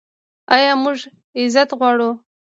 آیا موږ عزت غواړو؟